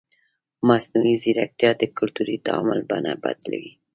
مصنوعي ځیرکتیا د کلتوري تعامل بڼه بدلوي.